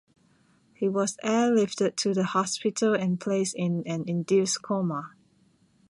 He was airlifted to hospital and placed in an induced coma.